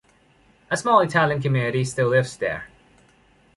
A small Italian community still lives there.